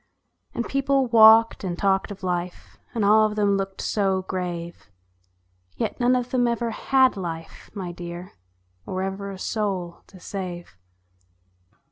And people walked and talked of life, And all of them looked so grave ; Yet none of them ever had life, my dear, Or ever a soul to save.